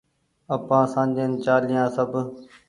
آپآن سآجين چآليا سب